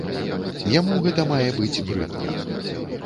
Яму гэта мае быць брыдка.